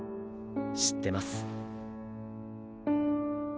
知ってます。